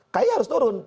kai harus turun